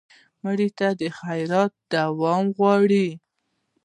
مړه ته د خیرات دوام غواړو